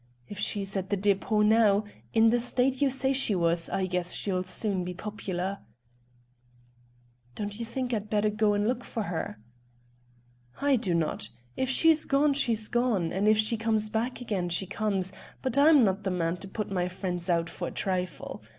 If she's at the depôt now, in the state you say she was, I guess she'll soon be popular." "Don't you think I'd better go and look for her?" "I do not. If she's gone, she's gone, and if she comes back again she comes, but I'm not the man to put my friends out for a trifle.